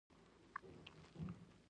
هغه د خپل زوی په اړه کیسه راته کوله.